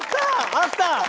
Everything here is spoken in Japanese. あった！